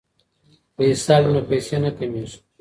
که حساب وي نو پیسې نه کمیږي.